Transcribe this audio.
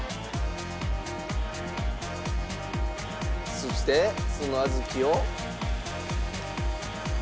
そしてその小豆を。